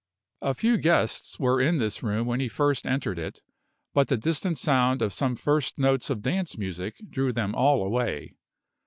A few guests were in this room when he first entered it, but the distant sound of some first notes of dance music drew them all away.